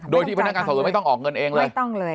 โดยที่พนักงานสอบสวนไม่ต้องออกเงินเองเลย